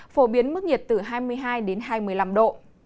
phổ biến mức nhiệt từ hai mươi hai đến hai mươi năm độ